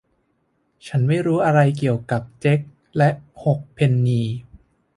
ฉันไม่รู้อะไรเกี่ยวกับเจ็กและหกเพนนี